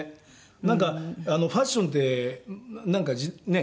なんかファッションってなんかねえ？